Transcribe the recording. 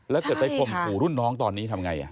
แล้วเกิดไปคมขู่รุ่นน้องตอนนี้ทำอย่างไร